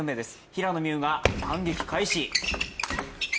平野美宇が反撃開始。